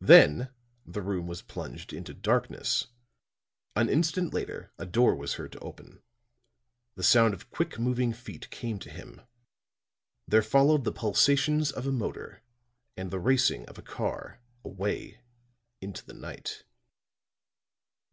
Then the room was plunged into darkness; an instant later a door was heard to open; the sound of quick moving feet came to him; there followed the pulsations of a motor and the racing of a car away into the night.